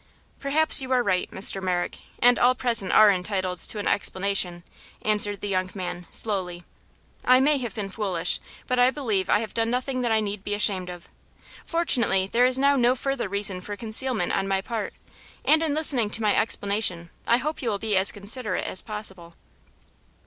"Perhaps you are right, Mr. Merrick, and all present are entitled to an explanation," answered the young man, slowly. "I may have been foolish, but I believe I have done nothing that I need be ashamed of. Fortunately, there is now no further reason for concealment on my part, and in listening to my explanation I hope you will be as considerate as possible."